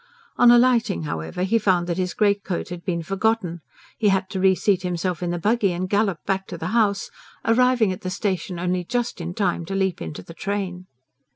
On alighting, however, he found that his greatcoat had been forgotten. He had to re seat himself in the buggy and gallop back to the house, arriving at the station only just in time to leap into the train.